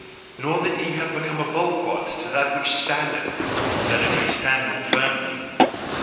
nor that ye have become a bulwark to that which standeth, that it may stand more firmly.